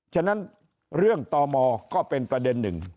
ฉะนั้นเรื่องตมก็เป็นประเด็นหนึ่ง